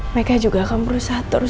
mereka juga akan berusaha terus